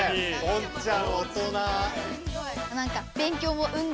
ポンちゃん大人。